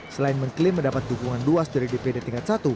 selain mengklaim mendapat dukungan luas dari dpd tingkat satu